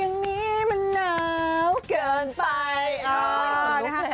เอานะคะ